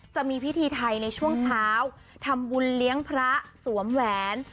จะมีพิธีไทยในช่วงเช้าทำบุญเลี้ยงพระสวมแหวน